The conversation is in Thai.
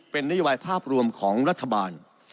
เป็นนโยบายภาพรวมของรัฐบาล